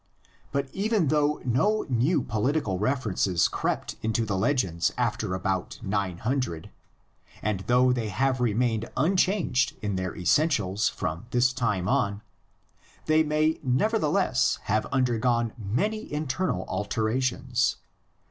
But even though no new political references crept into the legends after about 900, and though they have remained unchanged in their essentials from this time on, they may nevertheless have undergone many internal alterations.